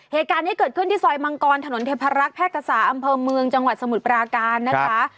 เหตุการณ์นี้เกิดขึ้นที่ซอยมังกรถนนเทพรักษ์แพร่กษาอำเภอเมืองจังหวัดสมุทรปราการนะคะ